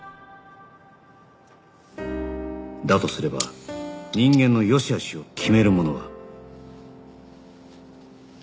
だとすれば人間の善しあしを決めるものは